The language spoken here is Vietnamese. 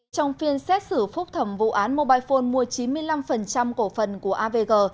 trong phiên xét xử phúc thẩm vụ án mobile phone mua chín mươi năm cổ phần của avg